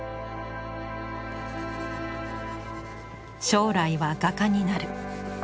将来は画家になる。